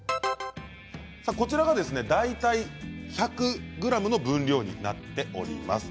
こちらが大体１００ｇの分量になっております。